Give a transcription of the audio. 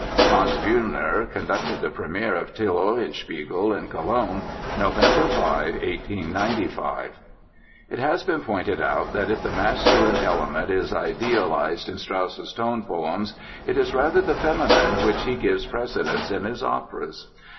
Franz Wüllner conducted the premiere of Till Eulenspiegel in Cologne, November 5, 1895. It has been pointed out that if the masculine element is idealized in Strauss's tone poems it is rather the feminine which he gives precedence in his operas.